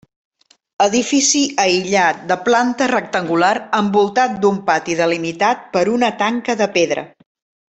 Edifici aïllat de planta rectangular envoltat d'un pati delimitat per una tanca de pedra.